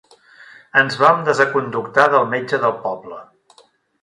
Ens vam desaconductar del metge del poble.